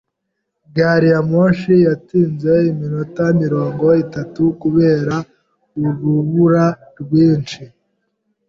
Gari ya moshi yatinze iminota mirongo itatu kubera urubura rwinshi.